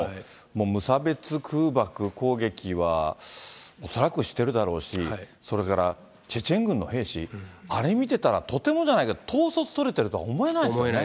もう無差別空爆攻撃は、恐らくしているだろうし、それからチェチェン軍の兵士、あれ見てたら、とてもじゃないけど、統率取れてるとは思えないですよね。